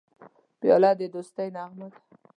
پیاله د دوستی نغمه ده.